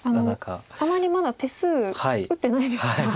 あまりまだ手数打ってないですが。